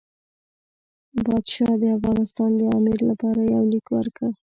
پاشا د افغانستان د امیر لپاره یو لیک ورکړ.